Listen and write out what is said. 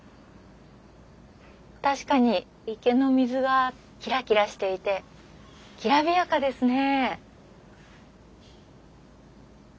確かに池の水がキラキラしていてきらびやかですね。